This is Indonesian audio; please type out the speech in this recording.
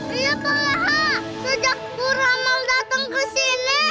iya puleha sejak ku ramal datang kesini